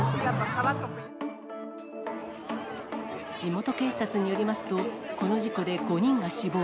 地元警察によりますと、この事故で５人が死亡。